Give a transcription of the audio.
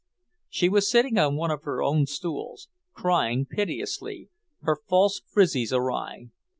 She was sitting on one of her own stools, crying piteously, her false frizzes awry.